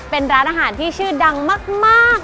เป็นร้านอาหารที่ชื่อดังมาก